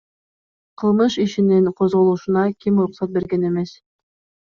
Кылмыш ишинин козголушуна ким уруксат берген эмес?